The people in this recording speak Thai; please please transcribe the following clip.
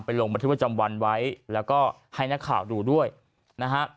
ลงบันทึกประจำวันไว้แล้วก็ให้นักข่าวดูด้วยนะฮะ